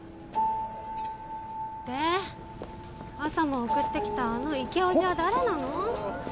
で朝も送ってきたあのイケおじは誰なの？